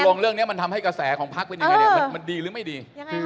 เรื่องนี้มันทำให้กระแสของพักเป็นยังไงเนี่ยมันดีหรือไม่ดี